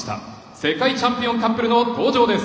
世界チャンピオンカップルの登場です。